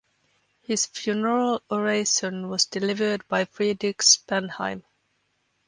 His funeral oration was delivered by Friedrich Spanheim.